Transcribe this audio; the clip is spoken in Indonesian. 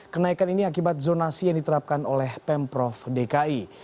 kenaikan ini akibat zonasi yang diterapkan oleh pemprov dki